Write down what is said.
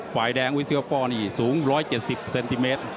ฝ่ายแดงอุ้ยเสี่ยวป้อนี่สูง๑๗๐เซนติเมตร